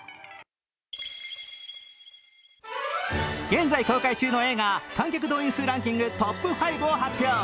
現在公開中の映画、観客動員数ランキングトップ５を発表。